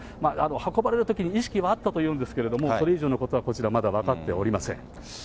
運ばれるときに意識はあったというんですけれども、それ以上のことはこちらまだ分かっておりません。